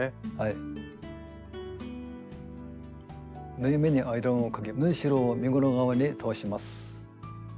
縫い目にアイロンをかけ縫いしろを身ごろ側に倒します。